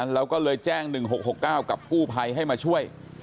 แล้วก็เลยแจ้ง๑๖๖๙กับกู้ภัยให้มาช่วย